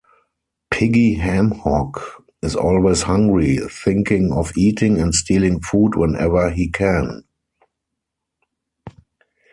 Piggy Hamhock is always hungry, thinking of eating and stealing food whenever he can.